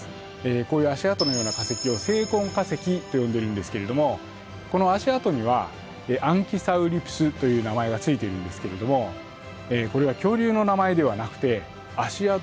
こういう足跡のような化石を「生痕化石」と呼んでいるんですけれどもこの足跡にはアンキサウリプスという名前が付いているんですけれどもこれは恐竜の名前ではなくて足跡